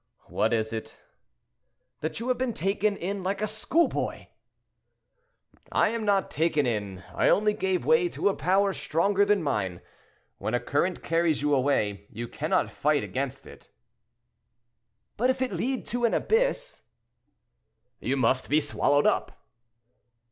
"What is it?" "That you have been taken in like a schoolboy." "I am not taken in; I only gave way to a power stronger than mine. When a current carries you away, you cannot fight against it." "But if it lead to an abyss?" "You must be swallowed up!"